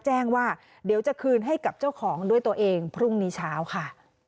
แจ้งว่าเดี๋ยวจะคืนให้กับเจ้าของด้วยตัวเองพรุ่งนี้เช้าค่ะ